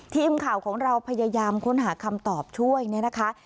ทีมข่าวของเราพยายามค้นหาคำตอบช่วยเนี่ยนะคะ